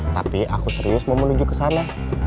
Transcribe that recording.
tapi aku serius mau menuju kesana